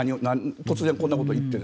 突然こんなことを言って。